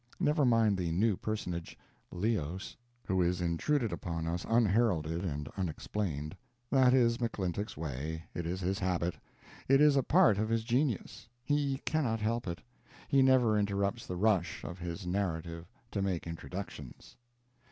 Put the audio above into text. Never mind the new personage, Leos, who is intruded upon us unheralded and unexplained. That is McClintock's way; it is his habit; it is a part of his genius; he cannot help it; he never interrupts the rush of his narrative to make introductions.